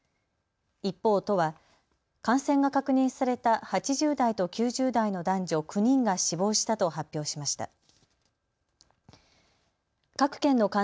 一方、都は感染が確認された８０代と９０代の男女９人が死亡したと発表しました。